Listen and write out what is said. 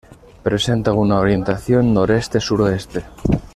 Presenta una orientación noreste-suroeste.